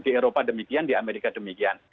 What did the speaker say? di eropa demikian di amerika demikian